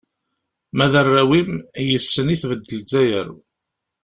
Ma d arraw-im, yis-sen i tbedd Lezzayer.